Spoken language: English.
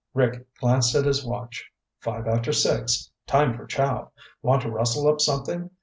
Rick glanced at his watch. "Five after six. Time for chow. Want to rustle up something?